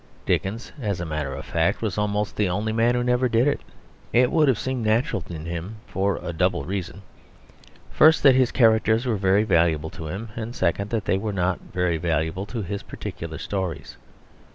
Dickens, as a matter of fact, was almost the one man who never did it. It would have seemed natural in him for a double reason; first, that his characters were very valuable to him, and second that they were not very valuable to his particular stories.